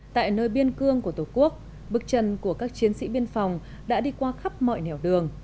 tại nơi biên cương của tổ quốc bước chân của các chiến sĩ biên phòng đã đi qua khắp mọi nẻo đường